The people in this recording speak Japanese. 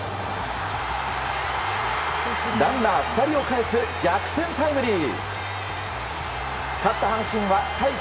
ランナー２人をかえす逆転タイムリー。